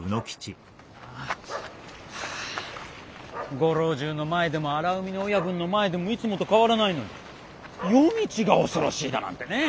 ・ご老中の前でも荒海の親分の前でもいつもと変わらないのに夜道が恐ろしいだなんてね。